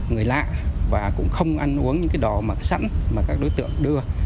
người lạ và cũng không ăn uống những cái đò mặc sẵn mà các đối tượng đưa